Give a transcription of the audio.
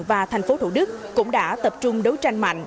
và tp hcm cũng đã tập trung đấu tranh mạnh